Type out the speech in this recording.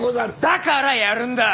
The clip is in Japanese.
だからやるんだ。